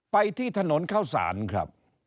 ไปที่ถนนเข้าสารครับ